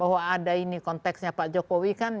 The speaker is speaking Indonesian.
bahwa ada ini konteksnya pak jokowi kan